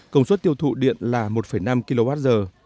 công suất tiêu thụ điện là một năm kwh